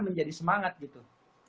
menjadi semangat gitu